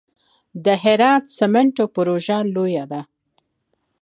د هرات سمنټو پروژه لویه ده